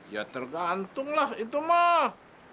ya tergantunglah itu mah